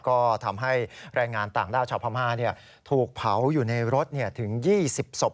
ก็ทำให้แรงงานต่างด้าวชาวพม่าถูกเผาอยู่ในรถถึง๒๐ศพ